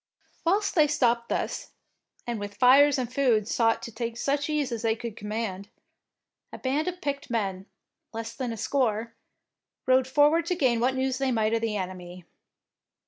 Whilst they stopped thus, and with fires and food sought to take such ease 87 DEEDS OF DARING as they could command, a band of picked men, less than a score, rode for ward to gain what news they might of the enemy.